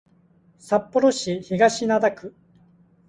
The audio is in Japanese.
札幌市東区